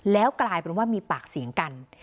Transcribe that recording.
แล้วกลายเป็นว่ามีปากเสียงกัน